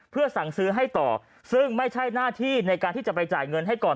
เพื่อสั่งซื้อให้ต่อซึ่งไม่ใช่หน้าที่ในการที่จะไปจ่ายเงินให้ก่อน